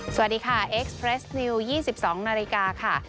สวัสดีค่ะเอ็กซ์เพรสนิวยี่สิบสองนาฬิกาค่ะ